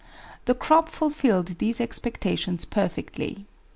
The crop fulfilled these expectations perfectly.